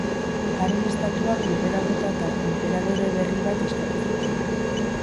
Haren estatuak lurrera botata, enperadore berri bat eskatu zuten.